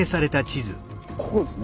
ここですね。